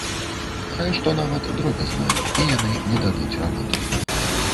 Хай што нават дробязнае, і яны не дадуць работы.